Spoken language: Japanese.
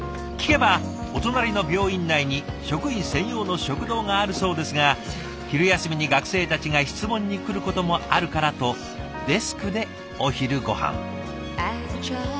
聞けばお隣の病院内に職員専用の食堂があるそうですが昼休みに学生たちが質問に来ることもあるからとデスクでお昼ごはん。